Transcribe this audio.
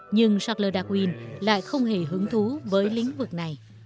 nhưng charles darwin lại không hề hứng thú với lĩnh vực này